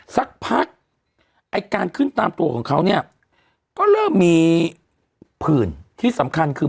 สักพักไอ้การขึ้นตามตัวของเขาเนี่ยก็เริ่มมีผื่นที่สำคัญคือ